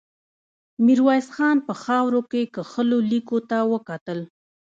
ميرويس خان په خاورو کې کښلو ليکو ته وکتل.